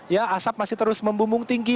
ya asap masih terus membumbung tinggi